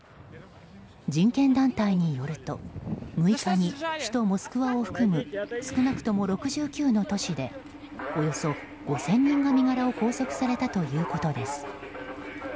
人権団体によると６日に首都モスクワを含む少なくとも６９の都市でおよそ５０００人が身柄を拘束されたということです。